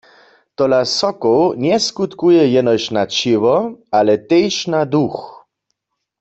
Tola Sokoł njeskutkuje jenož na ćěło, ale tež na duch.